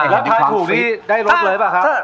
แล้วทานถูกนี่ได้รสเลยหรือเปล่าครับ